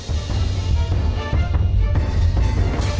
สบาย